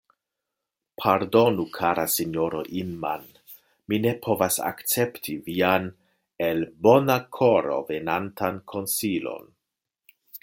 Pardonu, kara sinjoro Inman; mi ne povas akcepti vian, el bona koro venantan konsilon.